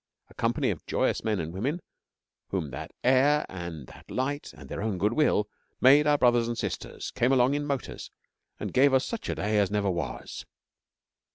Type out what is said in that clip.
A company of joyous men and women, whom that air and that light, and their own goodwill, made our brothers and sisters, came along in motors, and gave us such a day as never was.